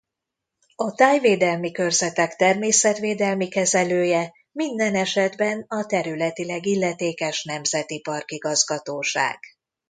A tájvédelmi körzetek természetvédelmi kezelője minden esetben a területileg illetékes nemzeti park igazgatóság.